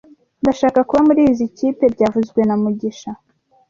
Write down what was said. Ndashaka kuba muri izoi kipe byavuzwe na mugisha